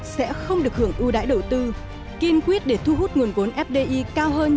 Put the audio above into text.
sẽ không được hưởng ưu đãi đầu tư kiên quyết để thu hút nguồn vốn fdi cao hơn